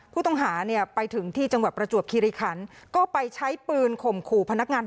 ผู้ต้องหาเนี่ยไปถึงที่จังหวัดประจวบคิริคันก็ไปใช้ปืนข่มขู่พนักงาน